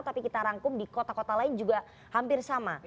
tapi kita rangkum di kota kota lain juga hampir sama